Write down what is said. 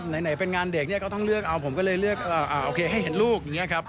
ไหนเป็นงานเด็กเนี่ยก็ต้องเลือกเอาผมก็เลยเลือกโอเคให้เห็นลูกอย่างนี้ครับ